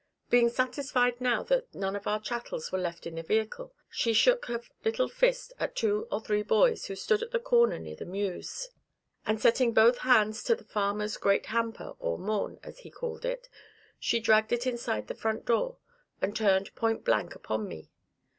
Being satisfied now that none of our chattels were left in the vehicle, she shook her little fist at two or three boys, who stood at the corner near the mews, and setting both hands to the farmer's great hamper or "maun" (as he called it), she dragged it inside the front door, and turned point blanc upon me.